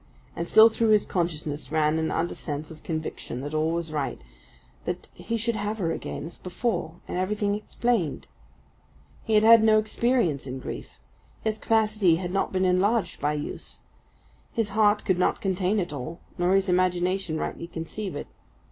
And still through his consciousness ran an undersense of conviction that all was right that he should have her again as before, and everything explained. He had had no experience in grief; his capacity had not been enlarged by use. His heart could not contain it all, nor his imagination rightly conceive it.